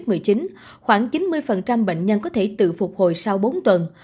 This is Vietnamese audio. trong năm hai nghìn một mươi chín khoảng chín mươi bệnh nhân có thể tự phục hồi sau bốn tuần